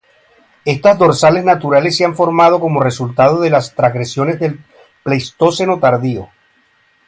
Estas dorsales naturales se han formado como resultado de las transgresiones del Pleistoceno tardío.